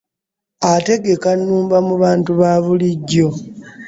Ategeka nnumba mu bantu babulijjo .